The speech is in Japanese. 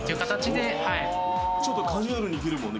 ちょっとカジュアルにいけるもんね。